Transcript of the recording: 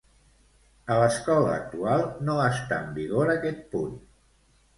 A l'escola actual no està en vigor aquest punt.